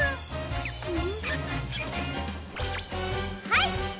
はい！